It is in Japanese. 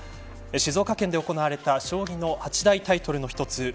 静岡県で行われた将棋の八大タイトルの一つ